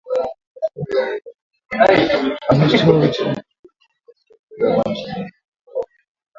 Mjumbe mpya anatoa wito wa kurekebishwa kikosi cha kulinda amani cha jumuia ya Umoja wa Mataifa.